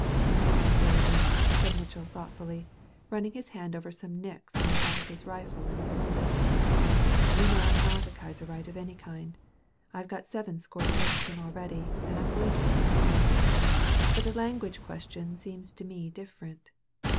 "No, Rosy," said Mitchell, thoughtfully run ning his hand over some nicks on the butt of his rifle in the comer; "you know I'm not a Kaiserite of any kind. I've got seven scored against him already, and I'm going to get some more. But the language question seems to me different.